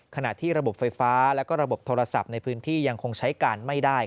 ขณะที่ระบบไฟฟ้าและระบบโทรศัพท์ในพื้นที่ยังคงใช้การไม่ได้